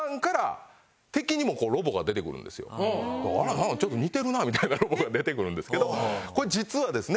なんかちょっと似てるなみたいなロボが出てくるんですけどこれ実はですね。